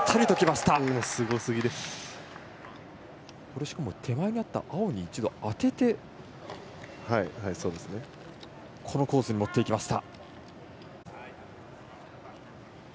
しかも手前にあった青に一度当ててこのコースに持っていきました。